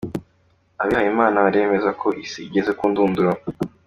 Abihaye Imana baremeza ko isi igeze ku ndunduro.